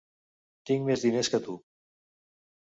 Tinc més diners que tu.